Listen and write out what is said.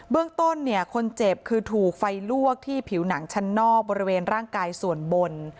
เรื่องต้นเนี่ยคนเจ็บคือถูกไฟลวกที่ผิวหนังชั้นนอกบริเวณร่างกายส่วนบน